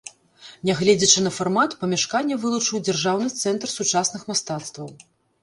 Нягледзячы на фармат, памяшканне вылучыў дзяржаўны цэнтр сучасных мастацтваў.